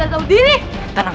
menanggung terus ke shadrass